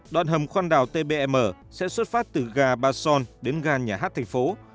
đoạn hầm khoan đào tbm sẽ xuất phát từ gà ba son đến gà nhà hát thành phố